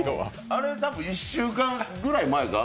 あれ多分１週間ぐらい前か？